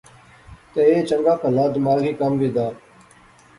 یہ ایہہ چنگا پہلا دماغی کم وی دا